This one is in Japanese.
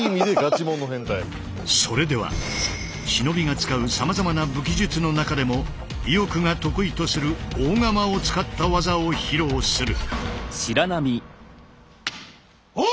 それでは忍びが使うさまざまな武器術の中でも伊与久が得意とする大鎌を使った技を披露する。